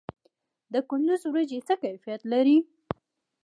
د کندز وریجې څه کیفیت لري؟